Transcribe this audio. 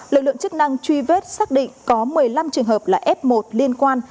lực lượng chức năng truy vết xác định có một mươi năm trường hợp là f một liên quan